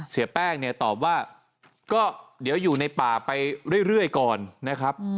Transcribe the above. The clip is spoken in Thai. เสียแป้งเนี่ยตอบว่าก็เดี๋ยวอยู่ในป่าไปเรื่อยก่อนนะครับ